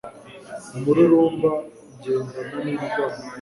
Umururumba Ugendana nIndwara